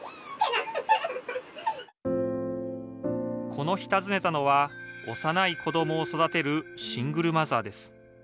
この日訪ねたのは幼い子どもを育てるシングルマザーです。